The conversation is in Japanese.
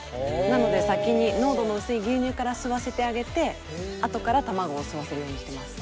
なので先に濃度の薄い牛乳から吸わせてあげて後から卵を吸わせるようにしてます。